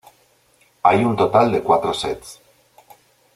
Hay un total de cuatro sets.